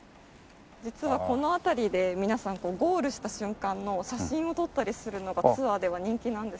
実はこの辺りで皆さんゴールした瞬間の写真を撮ったりするのがツアーでは人気なんです。